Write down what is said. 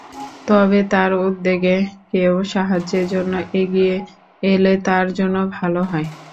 তবে তাঁর উদ্যোগে কেউ সাহায্যের জন্য এগিয়ে এলে তাঁর জন্য ভালো হয়।